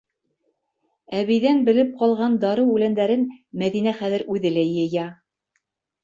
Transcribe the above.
Әбейҙән белеп ҡалған дарыу үләндәрен Мәҙинә хәҙер үҙе лә йыя.